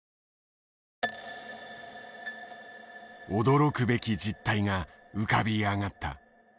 驚くべき実態が浮かび上がった。